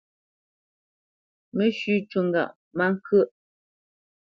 Mə́shʉ̄ cû ŋgâʼ má ŋkyə́ʼ.